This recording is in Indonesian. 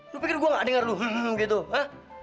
lu pikir gua gak denger lu hmm gitu ha